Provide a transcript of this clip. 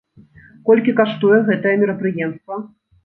Колькі каштуе гэтае мерапрыемства?